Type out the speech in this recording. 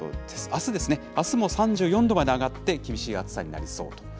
あすですね、あすも３４度まで上がって、厳しい暑さになりそうと。